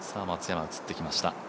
松山が映ってきました。